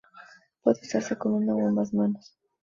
Puede usarse con una o ambas manos.